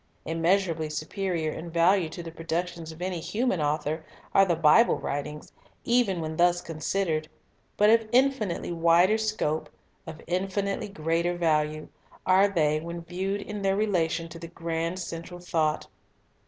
Immeasurably superior in value to the productions of any human author are the Bible writings, even when thus considered ; but of infinitely wider scope, of infinitely greater value, are they when viewed in their relation to the grand central thought.